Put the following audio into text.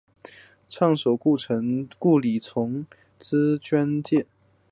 首倡筑城的顾从礼出资捐建。